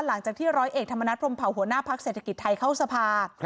หลังจากที่ร้อยเอกธรรมนัฐพรมเผาหัวหน้าพักเศรษฐกิจไทยเข้าสภา